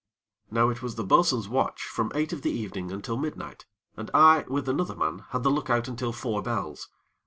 Now it was the bo'sun's watch from eight of the evening until midnight, and I, with another man, had the lookout until four bells.